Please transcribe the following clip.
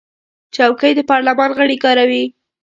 چوکۍ د پارلمان غړي کاروي.